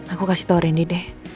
aku kasih tau rendy deh